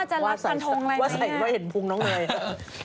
ว่าจะรักพันธงอะไรแบบนี้ว่าใส่ว่าเห็นพุงน้องเมย์